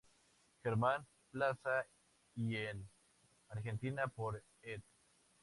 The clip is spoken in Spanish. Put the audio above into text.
German Plaza y en Argentina por Ed.